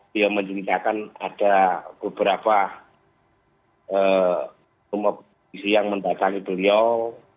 dia menceritakan ada beberapa komodisi yang mendatangi beliau